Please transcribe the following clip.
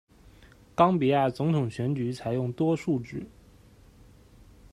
冈比亚总统选举采用多数制。